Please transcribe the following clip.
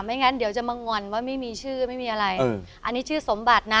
งั้นเดี๋ยวจะมางอนว่าไม่มีชื่อไม่มีอะไรอันนี้ชื่อสมบัตินะ